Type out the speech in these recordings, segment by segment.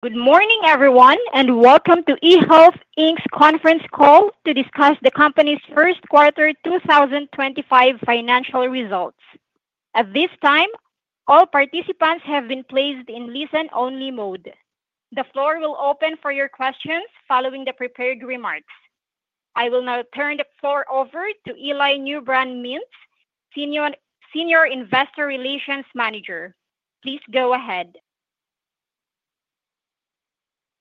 Good morning, everyone, and welcome to eHealth, Inc's conference call to discuss the company's first quarter 2025 financial results. At this time, all participants have been placed in listen-only mode. The floor will open for your questions following the prepared remarks. I will now turn the floor over to Eli Newbrun-Mintz, Senior Investor Relations Manager. Please go ahead.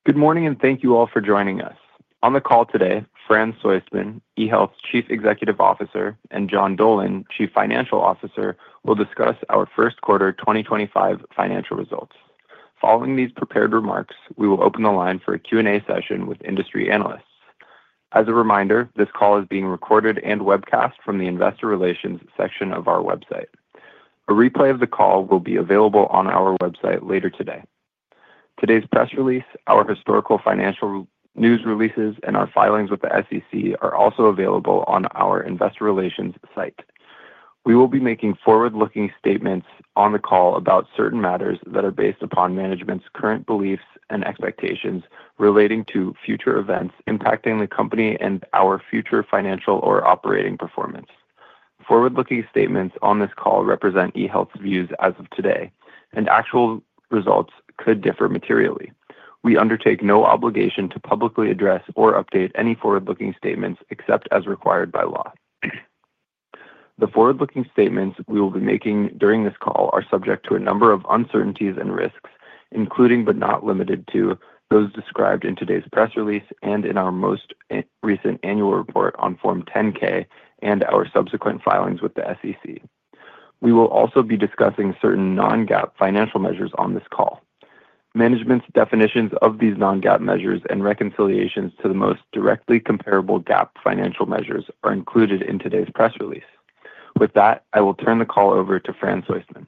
Good morning, and thank you all for joining us. On the call today, Fran Soistman, eHealth's Chief Executive Officer, and John Dolan, Chief Financial Officer, will discuss our first quarter 2025 financial results. Following these prepared remarks, we will open the line for a Q&A session with industry analysts. As a reminder, this call is being recorded and webcast from the Investor Relations section of our website. A replay of the call will be available on our website later today. Today's press release, our historical financial news releases, and our filings with the SEC are also available on our Investor Relations site. We will be making forward-looking statements on the call about certain matters that are based upon management's current beliefs and expectations relating to future events impacting the company and our future financial or operating performance. Forward-looking statements on this call represent eHealth's views as of today, and actual results could differ materially. We undertake no obligation to publicly address or update any forward-looking statements except as required by law. The forward-looking statements we will be making during this call are subject to a number of uncertainties and risks, including but not limited to those described in today's press release and in our most recent annual report on Form 10-K and our subsequent filings with the SEC. We will also be discussing certain non-GAAP financial measures on this call. Management's definitions of these non-GAAP measures and reconciliations to the most directly comparable GAAP financial measures are included in today's press release. With that, I will turn the call over to Fran Soistman.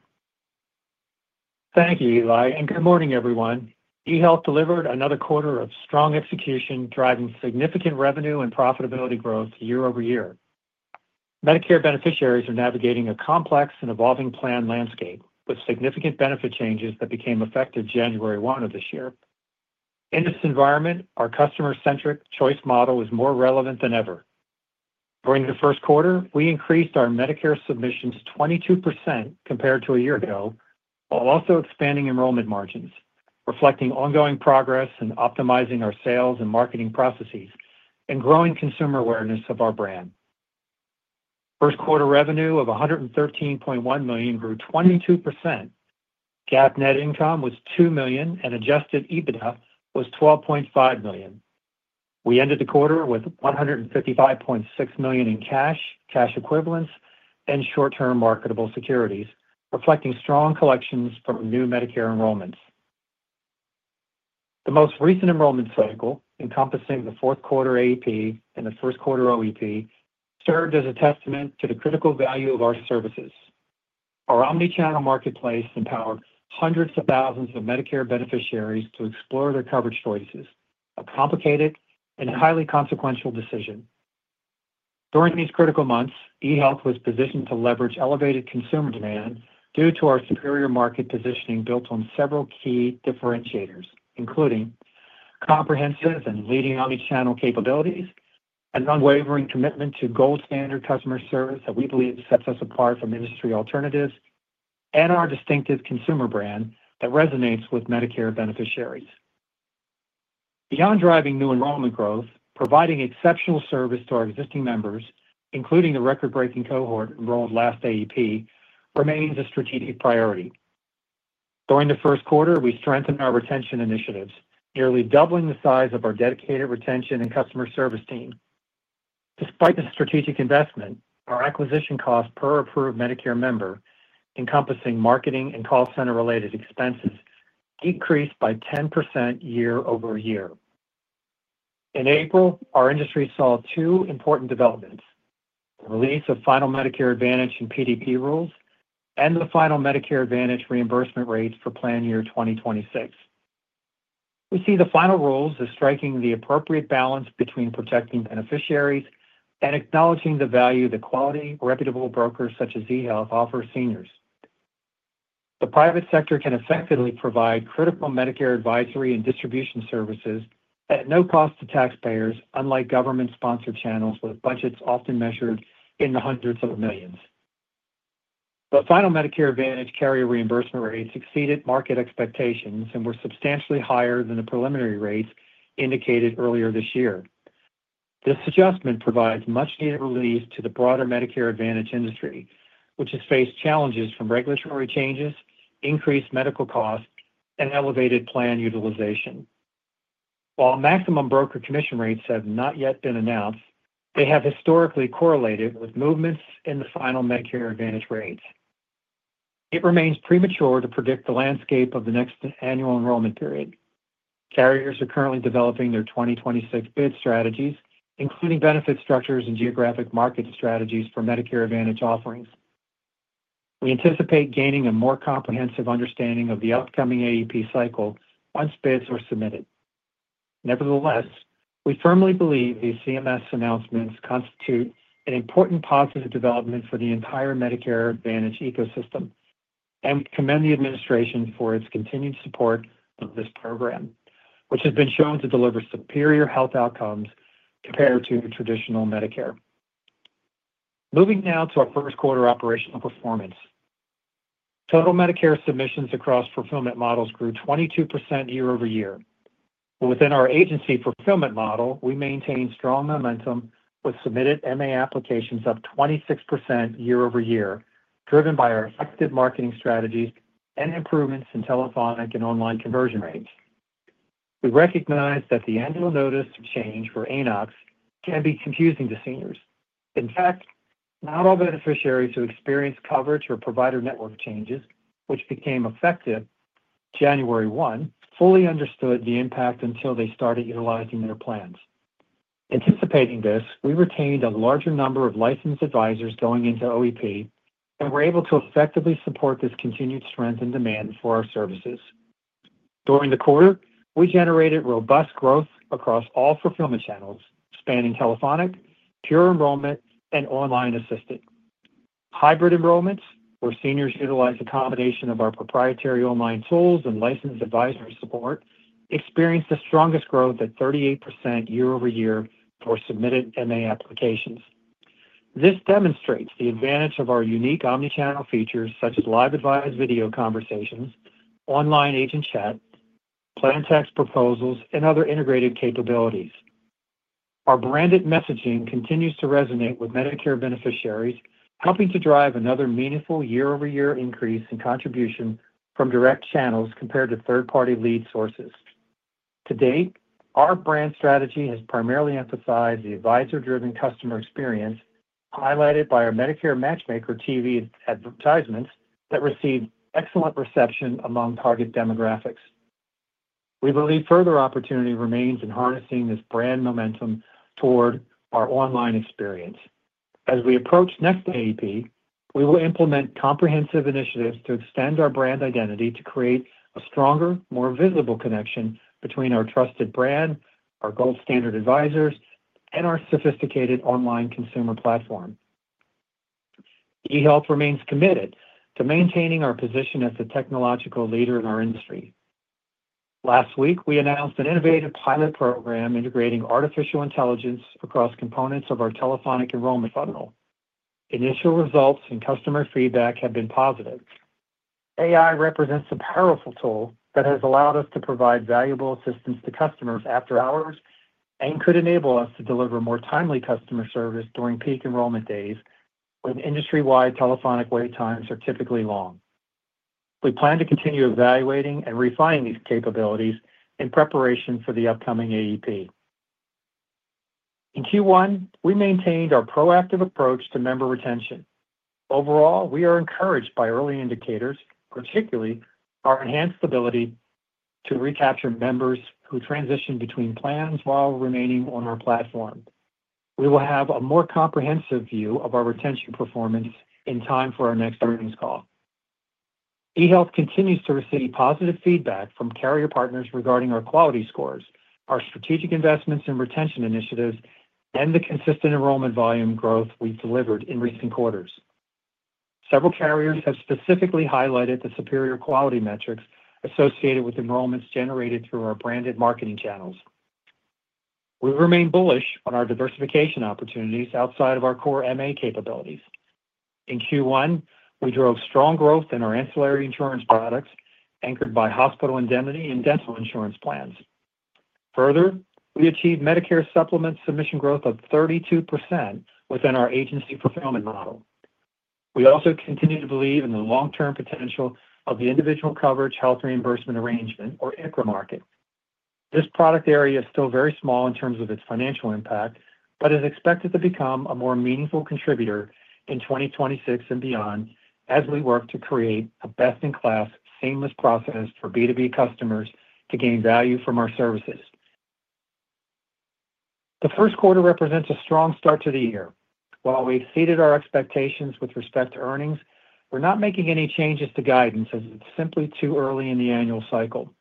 Thank you, Eli, and good morning, everyone. eHealth delivered another quarter of strong execution, driving significant revenue and profitability growth year over year. Medicare beneficiaries are navigating a complex and evolving plan landscape with significant benefit changes that became effective January 1 of this year. In this environment, our customer-centric choice model is more relevant than ever. During the first quarter, we increased our Medicare submissions 22% compared to a year ago, while also expanding enrollment margins, reflecting ongoing progress in optimizing our sales and marketing processes and growing consumer awareness of our brand. First quarter revenue of $113.1 million grew 22%. GAAP net income was $2 million, and adjusted EBITDA was $12.5 million. We ended the quarter with $155.6 million in cash, cash equivalents, and short-term marketable securities, reflecting strong collections from new Medicare enrollments. The most recent enrollment cycle, encompassing the fourth quarter AEP and the first quarter OEP, served as a testament to the critical value of our services. Our omnichannel marketplace empowered hundreds of thousands of Medicare beneficiaries to explore their coverage choices, a complicated and highly consequential decision. During these critical months, eHealth was positioned to leverage elevated consumer demand due to our superior market positioning built on several key differentiators, including comprehensive and leading omnichannel capabilities, an unwavering commitment to gold-standard customer service that we believe sets us apart from industry alternatives, and our distinctive consumer brand that resonates with Medicare beneficiaries. Beyond driving new enrollment growth, providing exceptional service to our existing members, including the record-breaking cohort enrolled last AEP, remains a strategic priority. During the first quarter, we strengthened our retention initiatives, nearly doubling the size of our dedicated retention and customer service team. Despite the strategic investment, our acquisition cost per approved Medicare member, encompassing marketing and call center-related expenses, decreased by 10% year over year. In April, our industry saw two important developments: the release of Final Medicare Advantage and PDP rules, and the Final Medicare Advantage reimbursement rates for plan year 2026. We see the final rules as striking the appropriate balance between protecting beneficiaries and acknowledging the value that quality, reputable brokers such as eHealth offer seniors. The private sector can effectively provide critical Medicare advisory and distribution services at no cost to taxpayers, unlike government-sponsored channels with budgets often measured in the hundreds of millions. The Final Medicare Advantage carrier reimbursement rates exceeded market expectations and were substantially higher than the preliminary rates indicated earlier this year. This adjustment provides much-needed relief to the broader Medicare Advantage industry, which has faced challenges from regulatory changes, increased medical costs, and elevated plan utilization. While maximum broker commission rates have not yet been announced, they have historically correlated with movements in the Final Medicare Advantage rates. It remains premature to predict the landscape of the next annual enrollment period. Carriers are currently developing their 2026 bid strategies, including benefit structures and geographic market strategies for Medicare Advantage offerings. We anticipate gaining a more comprehensive understanding of the upcoming AEP cycle once bids are submitted. Nevertheless, we firmly believe these CMS announcements constitute an important positive development for the entire Medicare Advantage ecosystem, and we commend the administration for its continued support of this program, which has been shown to deliver superior health outcomes compared to traditional Medicare. Moving now to our first quarter operational performance. Total Medicare submissions across fulfillment models grew 22% year over year. Within our agency fulfillment model, we maintain strong momentum with submitted MA applications up 26% year over year, driven by our effective marketing strategies and improvements in telephonic and online conversion rates. We recognize that the annual notice of change for ANOCs can be confusing to seniors. In fact, not all beneficiaries who experienced coverage or provider network changes, which became effective January 1, fully understood the impact until they started utilizing their plans. Anticipating this, we retained a larger number of licensed advisors going into OEP and were able to effectively support this continued strength in demand for our services. During the quarter, we generated robust growth across all fulfillment channels, spanning telephonic, pure enrollment, and online assisted. Hybrid enrollments, where seniors utilize a combination of our proprietary online tools and licensed advisory support, experienced the strongest growth at 38% year over year for submitted MA applications. This demonstrates the advantage of our unique omnichannel features such as live advised video conversations, online agent chat, plan tax proposals, and other integrated capabilities. Our branded messaging continues to resonate with Medicare beneficiaries, helping to drive another meaningful year-over-year increase in contribution from direct channels compared to third-party lead sources. To date, our brand strategy has primarily emphasized the advisor-driven customer experience, highlighted by our Medicare Matchmaker TV advertisements that received excellent reception among target demographics. We believe further opportunity remains in harnessing this brand momentum toward our online experience. As we approach next AEP, we will implement comprehensive initiatives to extend our brand identity to create a stronger, more visible connection between our trusted brand, our gold-standard advisors, and our sophisticated online consumer platform. eHealth remains committed to maintaining our position as the technological leader in our industry. Last week, we announced an innovative pilot program integrating artificial intelligence across components of our telephonic enrollment funnel. Initial results and customer feedback have been positive. AI represents a powerful tool that has allowed us to provide valuable assistance to customers after hours and could enable us to deliver more timely customer service during peak enrollment days, when industry-wide telephonic wait times are typically long. We plan to continue evaluating and refining these capabilities in preparation for the upcoming AEP. In Q1, we maintained our proactive approach to member retention. Overall, we are encouraged by early indicators, particularly our enhanced ability to recapture members who transition between plans while remaining on our platform. We will have a more comprehensive view of our retention performance in time for our next earnings call. eHealth continues to receive positive feedback from carrier partners regarding our quality scores, our strategic investments in retention initiatives, and the consistent enrollment volume growth we've delivered in recent quarters. Several carriers have specifically highlighted the superior quality metrics associated with enrollments generated through our branded marketing channels. We remain bullish on our diversification opportunities outside of our core MA capabilities. In Q1, we drove strong growth in our ancillary insurance products anchored by hospital indemnity and dental insurance plans. Further, we achieved Medicare Supplement submission growth of 32% within our agency fulfillment model. We also continue to believe in the long-term potential of the individual coverage health reimbursement arrangement, or ICHRA market. This product area is still very small in terms of its financial impact, but is expected to become a more meaningful contributor in 2026 and beyond as we work to create a best-in-class, seamless process for B2B customers to gain value from our services. The first quarter represents a strong start to the year. While we exceeded our expectations with respect to earnings, we're not making any changes to guidance as it's simply too early in the annual cycle.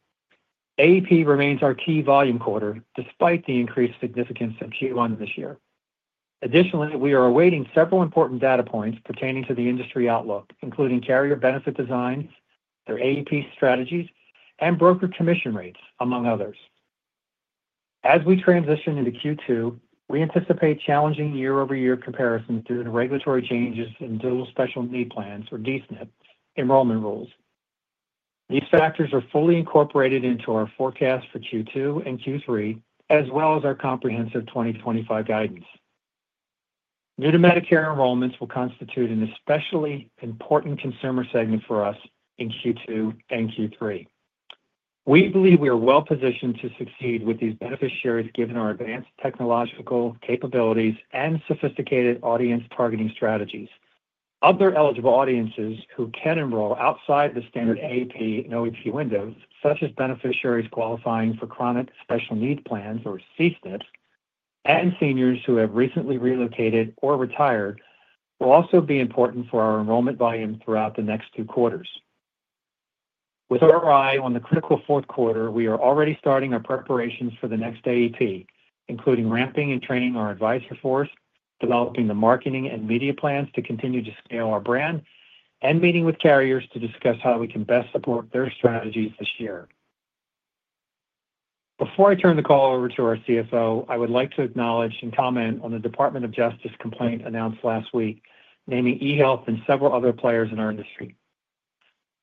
AEP remains our key volume quarter despite the increased significance of Q1 this year. Additionally, we are awaiting several important data points pertaining to the industry outlook, including carrier benefit design, their AEP strategies, and broker commission rates, among others. As we transition into Q2, we anticipate challenging year-over-year comparisons due to regulatory changes in dual special needs plans, or D-SNPs, enrollment rules. These factors are fully incorporated into our forecast for Q2 and Q3, as well as our comprehensive 2025 guidance. New to Medicare enrollments will constitute an especially important consumer segment for us in Q2 and Q3. We believe we are well-positioned to succeed with these beneficiaries given our advanced technological capabilities and sophisticated audience targeting strategies. Other eligible audiences who can enroll outside the standard AEP and OEP windows, such as beneficiaries qualifying for chronic special needs plans, or C-SNPs, and seniors who have recently relocated or retired, will also be important for our enrollment volume throughout the next two quarters. With our eye on the critical fourth quarter, we are already starting our preparations for the next AEP, including ramping and training our advisory force, developing the marketing and media plans to continue to scale our brand, and meeting with carriers to discuss how we can best support their strategies this year. Before I turn the call over to our CFO, I would like to acknowledge and comment on the Department of Justice complaint announced last week, naming eHealth and several other players in our industry.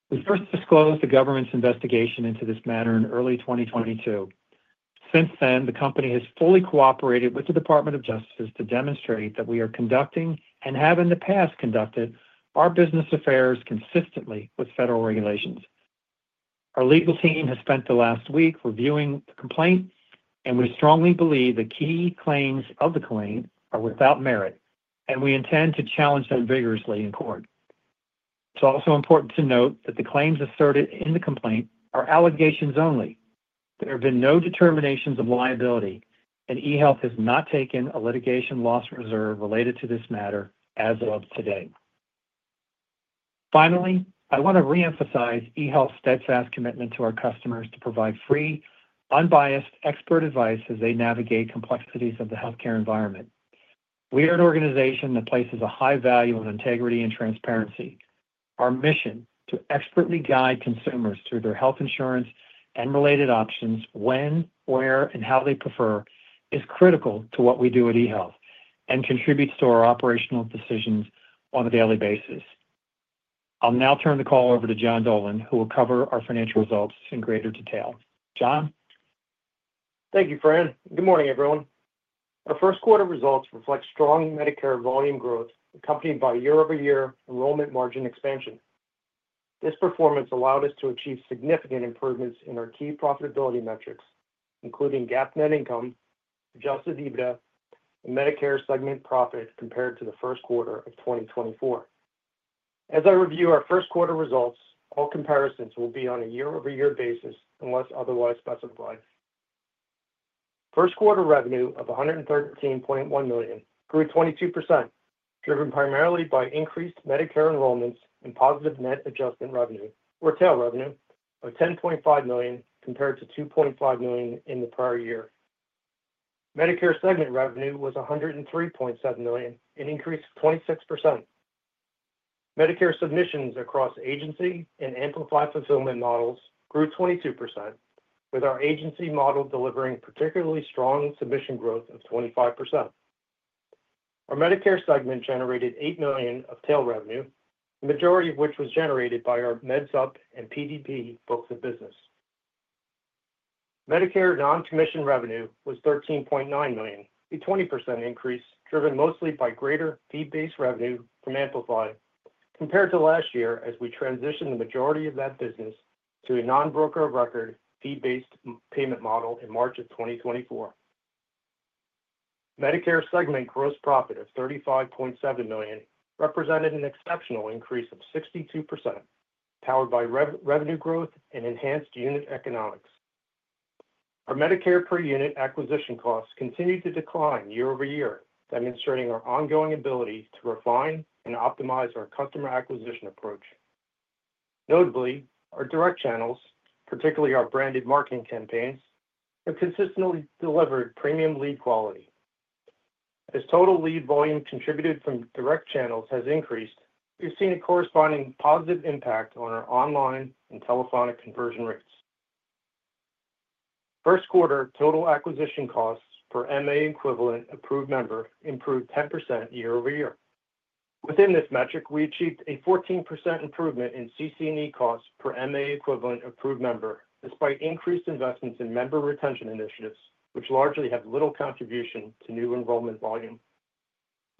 We first disclosed the government's investigation into this matter in early 2022. Since then, the company has fully cooperated with the Department of Justice to demonstrate that we are conducting, and have in the past conducted, our business affairs consistently with federal regulations. Our legal team has spent the last week reviewing the complaint, and we strongly believe the key claims of the claim are without merit, and we intend to challenge them vigorously in court. It's also important to note that the claims asserted in the complaint are allegations only. There have been no determinations of liability, and eHealth has not taken a litigation loss reserve related to this matter as of today. Finally, I want to reemphasize eHealth's steadfast commitment to our customers to provide free, unbiased expert advice as they navigate complexities of the healthcare environment. We are an organization that places a high value on integrity and transparency. Our mission to expertly guide consumers through their health insurance and related options when, where, and how they prefer is critical to what we do at eHealth and contributes to our operational decisions on a daily basis. I'll now turn the call over to John Dolan, who will cover our financial results in greater detail. John? Thank you, Fran. Good morning, everyone. Our first quarter results reflect strong Medicare volume growth, accompanied by year-over-year enrollment margin expansion. This performance allowed us to achieve significant improvements in our key profitability metrics, including GAAP net income, adjusted EBITDA, and Medicare segment profit compared to the first quarter of 2024. As I review our first quarter results, all comparisons will be on a year-over-year basis unless otherwise specified. First quarter revenue of $113.1 million grew 22%, driven primarily by increased Medicare enrollments and positive net adjustment revenue, or TAIL revenue, of $10.5 million compared to $2.5 million in the prior year. Medicare segment revenue was $103.7 million, an increase of 26%. Medicare submissions across agency and Amplify fulfillment models grew 22%, with our agency model delivering particularly strong submission growth of 25%. Our Medicare segment generated $8 million of TAIL revenue, the majority of which was generated by our Med Supp and PDP books of business. Medicare non-commission revenue was $13.9 million, a 20% increase driven mostly by greater fee-based revenue from Amplify, compared to last year as we transitioned the majority of that business to a non-broker of record fee-based payment model in March of 2024. Medicare segment gross profit of $35.7 million represented an exceptional increase of 62%, powered by revenue growth and enhanced unit economics. Our Medicare per unit acquisition costs continued to decline year over year, demonstrating our ongoing ability to refine and optimize our customer acquisition approach. Notably, our direct channels, particularly our branded marketing campaigns, have consistently delivered premium lead quality. As total lead volume contributed from direct channels has increased, we've seen a corresponding positive impact on our online and telephonic conversion rates. First quarter total acquisition costs for MA equivalent approved member improved 10% year over year. Within this metric, we achieved a 14% improvement in CC&E costs per MA equivalent approved member, despite increased investments in member retention initiatives, which largely have little contribution to new enrollment volume.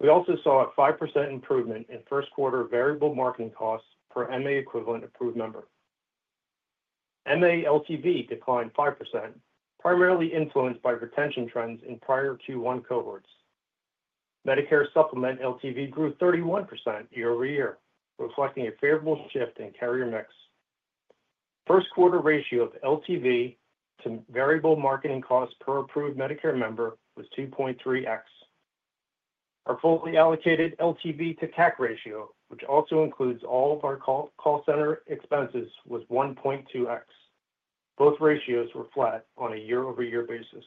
We also saw a 5% improvement in first quarter variable marketing costs per MA equivalent approved member. MA LTV declined 5%, primarily influenced by retention trends in prior Q1 cohorts. Medicare Supplement LTV grew 31% year over year, reflecting a favorable shift in carrier mix. First quarter ratio of LTV to variable marketing costs per approved Medicare member was 2.3x. Our fully allocated LTV to CAC ratio, which also includes all of our call center expenses, was 1.2x. Both ratios were flat on a year-over-year basis.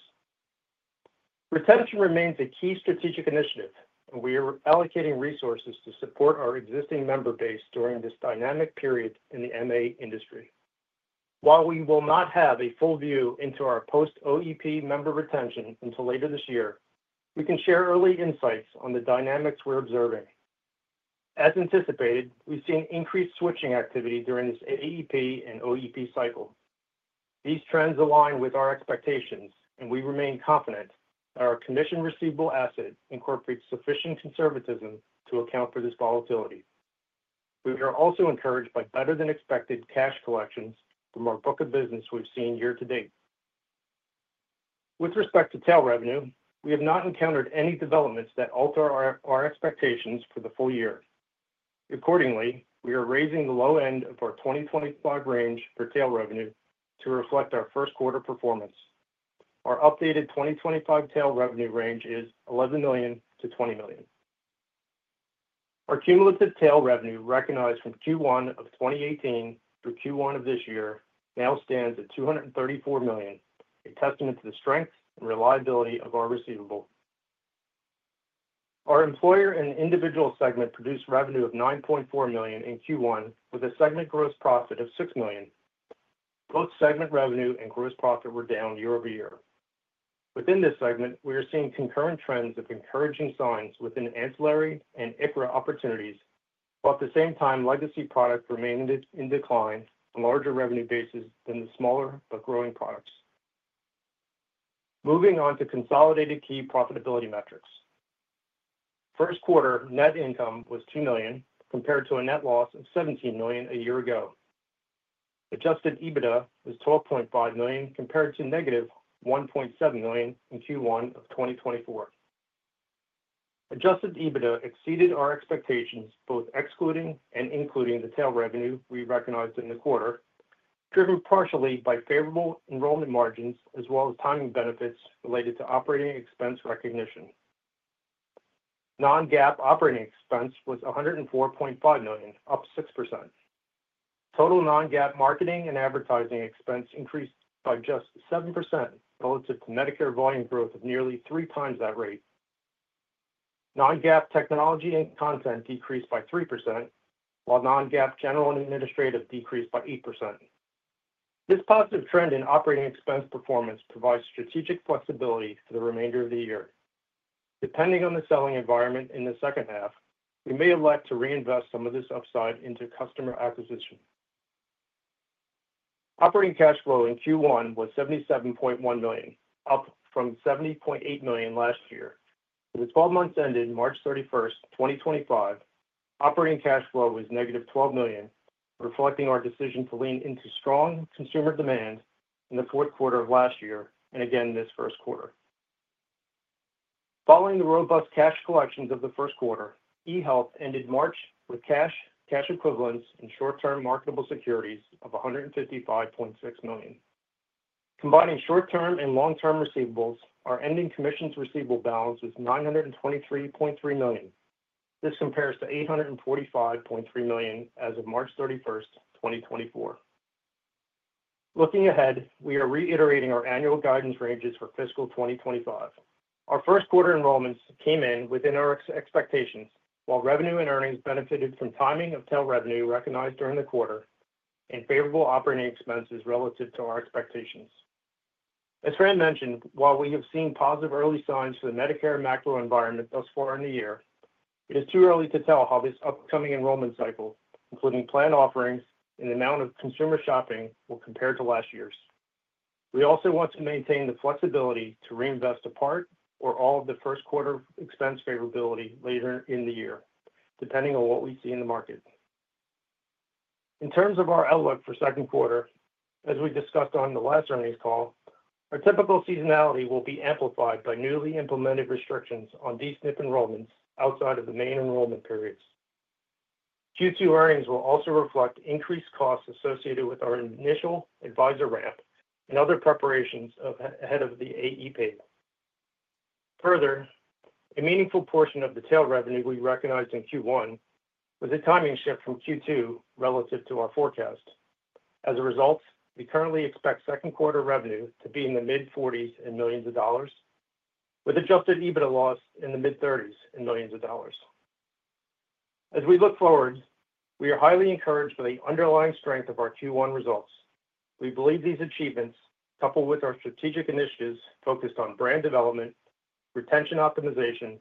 Retention remains a key strategic initiative, and we are allocating resources to support our existing member base during this dynamic period in the MA industry. While we will not have a full view into our post-OEP member retention until later this year, we can share early insights on the dynamics we're observing. As anticipated, we've seen increased switching activity during this AEP and OEP cycle. These trends align with our expectations, and we remain confident that our commission receivable asset incorporates sufficient conservatism to account for this volatility. We are also encouraged by better-than-expected cash collections from our book of business we've seen year to date. With respect to TAIL revenue, we have not encountered any developments that alter our expectations for the full year. Accordingly, we are raising the low end of our 2025 range for TAIL revenue to reflect our first quarter performance. Our updated 2025 TAIL revenue range is $11 million-$20 million. Our cumulative TAIL revenue recognized from Q1 of 2018 through Q1 of this year now stands at $234 million, a testament to the strength and reliability of our receivable. Our employer and individual segment produced revenue of $9.4 million in Q1, with a segment gross profit of $6 million. Both segment revenue and gross profit were down year over year. Within this segment, we are seeing concurrent trends of encouraging signs within ancillary and ICHRA opportunities, while at the same time, legacy products remain in decline on larger revenue bases than the smaller but growing products. Moving on to consolidated key profitability metrics. First quarter net income was $2 million compared to a net loss of $17 million a year ago. Adjusted EBITDA was $12.5 million compared to negative $1.7 million in Q1 of 2024. Adjusted EBITDA exceeded our expectations, both excluding and including the TAIL revenue we recognized in the quarter, driven partially by favorable enrollment margins as well as timing benefits related to operating expense recognition. Non-GAAP operating expense was $104.5 million, up 6%. Total non-GAAP marketing and advertising expense increased by just 7% relative to Medicare volume growth of nearly three times that rate. Non-GAAP technology and content decreased by 3%, while non-GAAP general and administrative decreased by 8%. This positive trend in operating expense performance provides strategic flexibility for the remainder of the year. Depending on the selling environment in the second half, we may elect to reinvest some of this upside into customer acquisition. Operating cash flow in Q1 was $77.1 million, up from $70.8 million last year. With the 12 months ended March 31, 2025, operating cash flow was negative $12 million, reflecting our decision to lean into strong consumer demand in the fourth quarter of last year and again this first quarter. Following the robust cash collections of the first quarter, eHealth ended March with cash, cash equivalents, and short-term marketable securities of $155.6 million. Combining short-term and long-term receivables, our ending commissions receivable balance was $923.3 million. This compares to $845.3 million as of March 31, 2024. Looking ahead, we are reiterating our annual guidance ranges for fiscal 2025. Our first quarter enrollments came in within our expectations, while revenue and earnings benefited from timing of TAIL revenue recognized during the quarter and favorable operating expenses relative to our expectations. As Fran mentioned, while we have seen positive early signs for the Medicare macro environment thus far in the year, it is too early to tell how this upcoming enrollment cycle, including planned offerings and the amount of consumer shopping, will compare to last year's. We also want to maintain the flexibility to reinvest a part or all of the first quarter expense favorability later in the year, depending on what we see in the market. In terms of our outlook for second quarter, as we discussed on the last earnings call, our typical seasonality will be amplified by newly implemented restrictions on D-SNPs enrollments outside of the main enrollment periods. Q2 earnings will also reflect increased costs associated with our initial advisor ramp and other preparations ahead of the AEP. Further, a meaningful portion of the TAIL revenue we recognized in Q1 was a timing shift from Q2 relative to our forecast. As a result, we currently expect second quarter revenue to be in the mid-$40 million, with adjusted EBITDA loss in the mid-$30 million. As we look forward, we are highly encouraged by the underlying strength of our Q1 results. We believe these achievements, coupled with our strategic initiatives focused on brand development, retention optimization,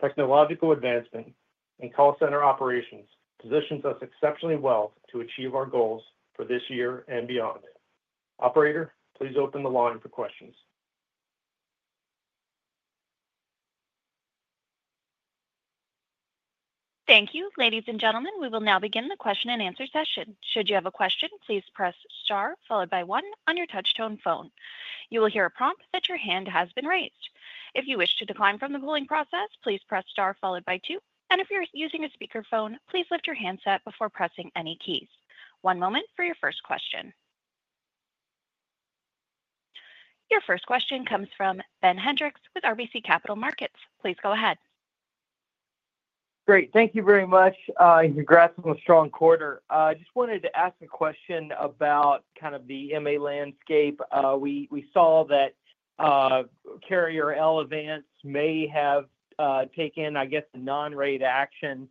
technological advancement, and call center operations, position us exceptionally well to achieve our goals for this year and beyond. Operator, please open the line for questions. Thank you, ladies and gentlemen. We will now begin the question and answer session. Should you have a question, please press star followed by one on your touchtone phone. You will hear a prompt that your hand has been raised. If you wish to decline from the polling process, please press star followed by two. If you're using a speakerphone, please lift your handset before pressing any keys. One moment for your first question. Your first question comes from Ben Hendricks with RBC Capital Markets. Please go ahead. Great. Thank you very much. Congrats on the strong quarter. I just wanted to ask a question about kind of the MA landscape. We saw that carrier Elevance may have taken, I guess, a non-right action,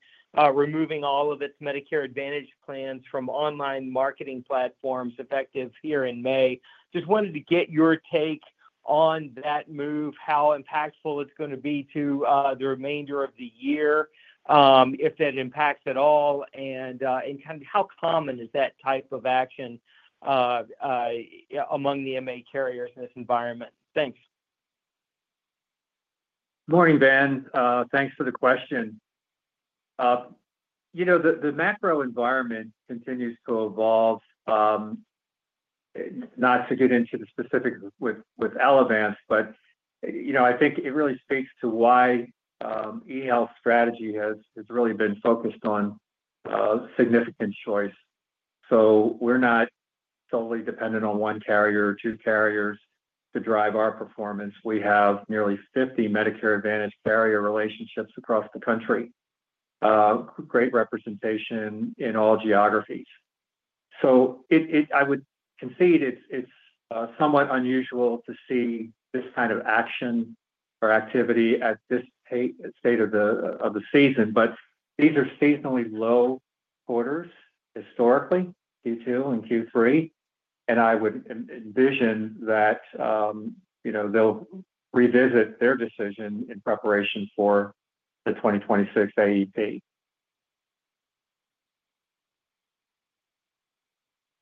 removing all of its Medicare Advantage plans from online marketing platforms effective here in May. Just wanted to get your take on that move, how impactful it's going to be to the remainder of the year, if that impacts at all, and kind of how common is that type of action among the MA carriers in this environment. Thanks. Morning, Ben. Thanks for the question. You know, the macro environment continues to evolve. Not to get into the specifics with Elevance, but I think it really speaks to why eHealth's strategy has really been focused on significant choice. So we're not solely dependent on one carrier or two carriers to drive our performance. We have nearly 50 Medicare Advantage carrier relationships across the country, great representation in all geographies. I would concede it's somewhat unusual to see this kind of action or activity at this state of the season, but these are seasonally low quarters historically, Q2 and Q3. I would envision that they'll revisit their decision in preparation for the 2026 AEP.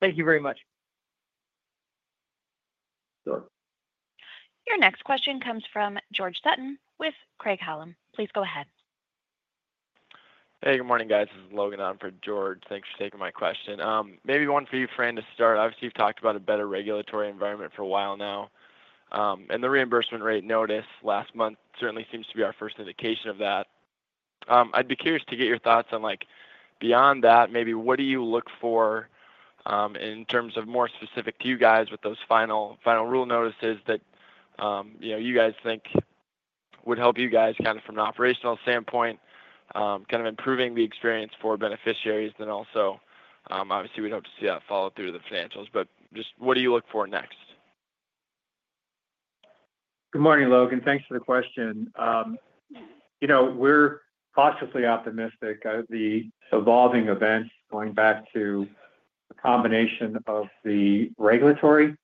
Thank you very much. Sure. Your next question comes from George Sutton with Craig-Hallum. Please go ahead. Hey, good morning, guys. This is Logan on for, George. Thanks for taking my question. Maybe one for you, Fran, to start. Obviously, you've talked about a better regulatory environment for a while now. The reimbursement rate notice last month certainly seems to be our first indication of that. I'd be curious to get your thoughts on, beyond that, maybe what do you look for in terms of more specific to you guys with those final rule notices that you guys think would help you guys kind of from an operational standpoint, kind of improving the experience for beneficiaries, and then also, obviously, we'd hope to see that follow through to the financials. Just what do you look for next? Good morning, Logan. Thanks for the question. We're cautiously optimistic of the evolving events going back to a combination of the regulatory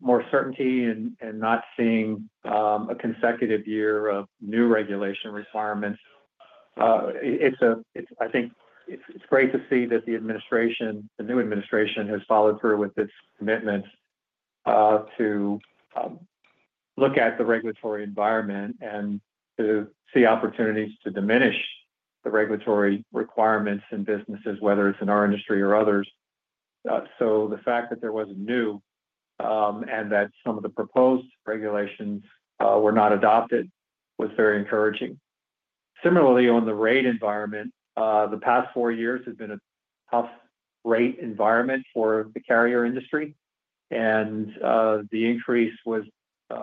more certainty and not seeing a consecutive year of new regulation requirements. I think it's great to see that the administration, the new administration, has followed through with its commitment to look at the regulatory environment and to see opportunities to diminish the regulatory requirements in businesses, whether it's in our industry or others. The fact that there was a new and that some of the proposed regulations were not adopted was very encouraging. Similarly, on the rate environment, the past four years have been a tough rate environment for the carrier industry. The increase was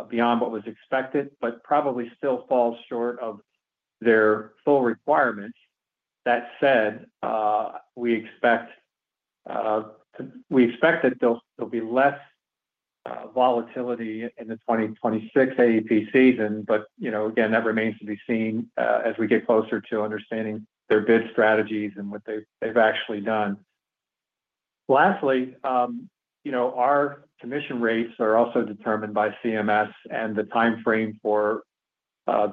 beyond what was expected, but probably still falls short of their full requirements. That said, we expect that there'll be less volatility in the 2026 AEP season. Again, that remains to be seen as we get closer to understanding their bid strategies and what they've actually done. Lastly, our commission rates are also determined by CMS, and the timeframe for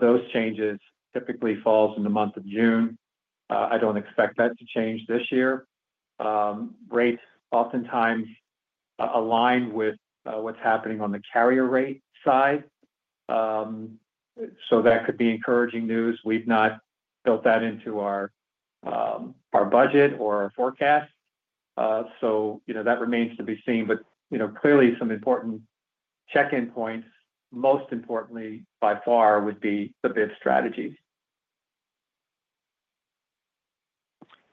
those changes typically falls in the month of June. I do not expect that to change this year. Rates oftentimes align with what is happening on the carrier rate side. That could be encouraging news. We have not built that into our budget or our forecast. That remains to be seen. Clearly, some important check-in points, most importantly by far, would be the bid strategies.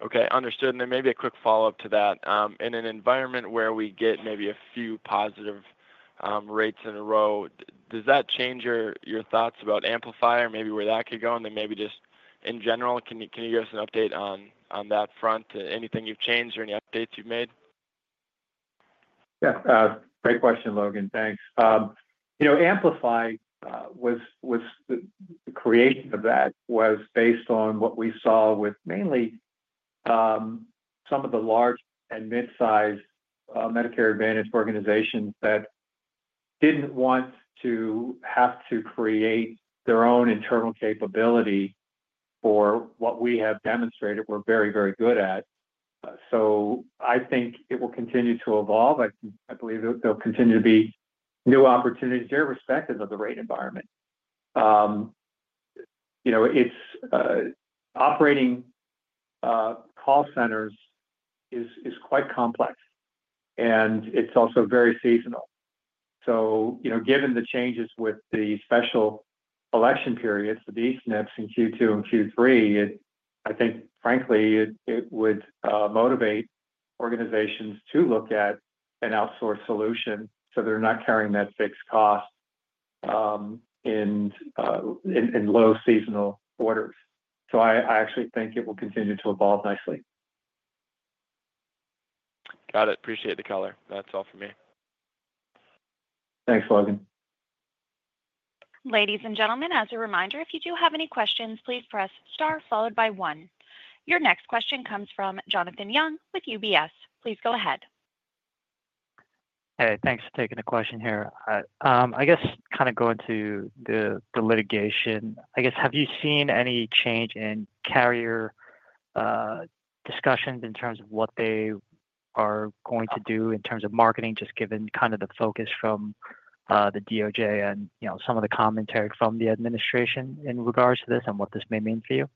Okay. Understood. Maybe a quick follow-up to that. In an environment where we get maybe a few positive rates in a row, does that change your thoughts about Amplify or maybe where that could go? Maybe just in general, can you give us an update on that front? Anything you have changed or any updates you have made? Yeah. Great question, Logan. Thanks. Amplify was the creation of that was based on what we saw with mainly some of the large and mid-sized Medicare Advantage organizations that did not want to have to create their own internal capability for what we have demonstrated we are very, very good at. I think it will continue to evolve. I believe there will continue to be new opportunities irrespective of the rate environment. Operating call centers is quite complex, and it is also very seasonal. Given the changes with the special election periods, the D-SNPs in Q2 and Q3, I think, frankly, it would motivate organizations to look at an outsourced solution so they are not carrying that fixed cost in low seasonal quarters. I actually think it will continue to evolve nicely. Got it. Appreciate the color. That is all for me. Thanks, Logan. Ladies and gentlemen, as a reminder, if you do have any questions, please press star followed by one. Your next question comes from Jonathan Young with UBS. Please go ahead. Hey, thanks for taking the question here. I guess kind of going to the litigation, I guess, have you seen any change in carrier discussions in terms of what they are going to do in terms of marketing, just given kind of the focus from the DOJ and some of the commentary from the administration in regards to this and what this may mean for you?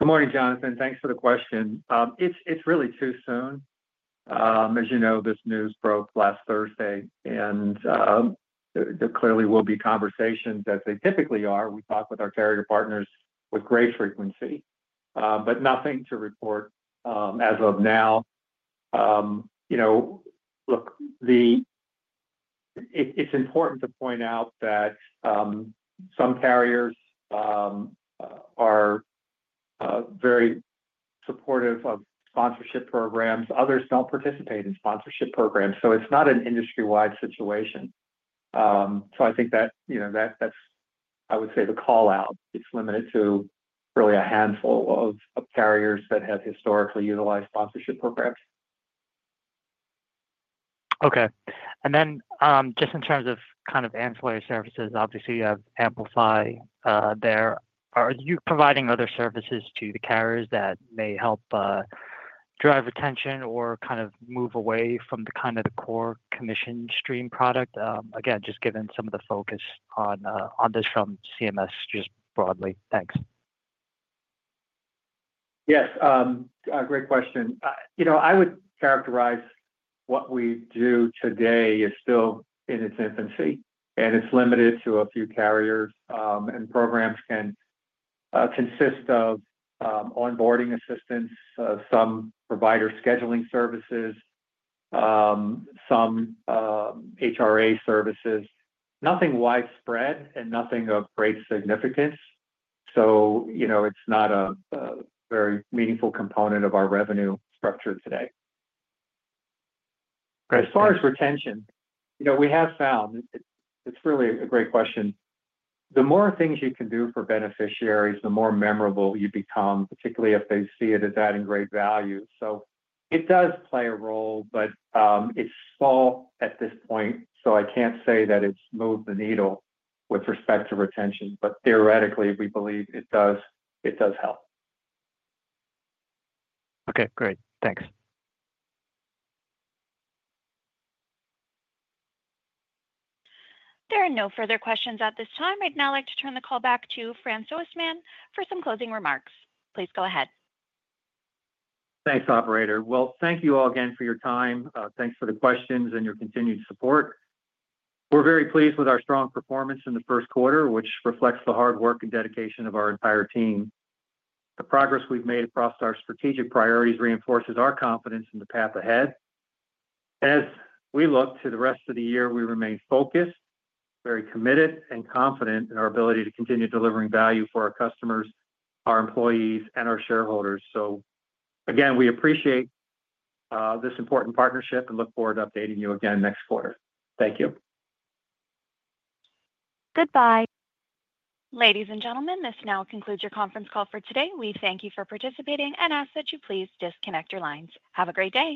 Good morning, Jonathan. Thanks for the question. It's really too soon. As you know, this news broke last Thursday. There clearly will be conversations, as there typically are. We talk with our carrier partners with great frequency, but nothing to report as of now. Look, it's important to point out that some carriers are very supportive of sponsorship programs. Others do not participate in sponsorship programs. It is not an industry-wide situation. I think that is, I would say, the callout. It is limited to really a handful of carriers that have historically utilized sponsorship programs. Okay. In terms of ancillary services, obviously, you have Amplify there. Are you providing other services to the carriers that may help drive retention or move away from the core commission stream product? Again, just given some of the focus on this from CMS broadly. Thanks. Yes. Great question. I would characterize what we do today as still in its infancy, and it is limited to a few carriers. Programs can consist of onboarding assistance, some provider scheduling services, some HRA services. Nothing widespread and nothing of great significance. It is not a very meaningful component of our revenue structure today. As far as retention, we have found it is really a great question. The more things you can do for beneficiaries, the more memorable you become, particularly if they see it as adding great value. It does play a role, but it is small at this point. I cannot say that it has moved the needle with respect to retention. Theoretically, we believe it does help. Okay. Great. Thanks. There are no further questions at this time. I would now like to turn the call back to Fran Soistman for some closing remarks. Please go ahead. Thank you, Operator. Thank you all again for your time. Thank you for the questions and your continued support. We're very pleased with our strong performance in the first quarter, which reflects the hard work and dedication of our entire team. The progress we've made across our strategic priorities reinforces our confidence in the path ahead. As we look to the rest of the year, we remain focused, very committed, and confident in our ability to continue delivering value for our customers, our employees, and our shareholders. Again, we appreciate this important partnership and look forward to updating you again next quarter. Thank you. Goodbye. Ladies and gentlemen, this now concludes your conference call for today. We thank you for participating and ask that you please disconnect your lines. Have a great day.